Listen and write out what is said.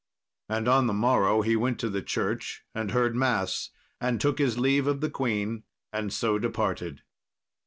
And on the morrow he went to the church and heard mass, and took his leave of the queen, and so departed.